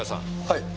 はい。